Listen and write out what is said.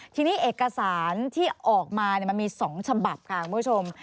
ทีนี้เอกสารที่ออกมามันมี๒ฉบับค่ะคุณผู้ชม